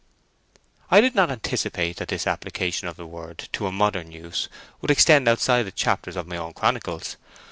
I did not anticipate that this application of the word to a modern use would extend outside the chapters of my own chronicles.